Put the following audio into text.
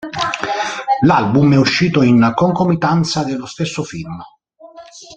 L'album è uscito in concomitanza dello stesso film.